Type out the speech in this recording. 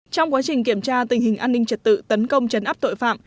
trong quá trình kiểm tra tình hình an ninh trật tự tấn công chấn áp tội phạm